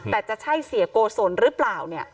แต่จะใช่เสียโกศลหรือเปล่า